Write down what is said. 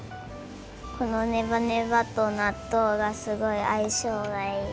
このネバネバとなっとうがすごいあいしょうがいい。